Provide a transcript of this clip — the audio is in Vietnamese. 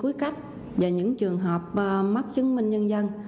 cuối cách và những trường hợp mất chứng minh nhân dân